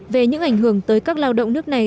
về những ảnh hưởng tới các lao động nước này